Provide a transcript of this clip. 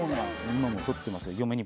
今も取ってますよ